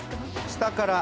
下から。